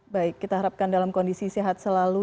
baik kita harapkan dalam kondisi sehat selalu